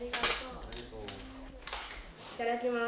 いただきます。